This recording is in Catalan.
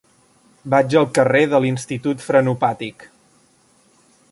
Vaig al carrer de l'Institut Frenopàtic.